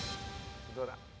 どうだ？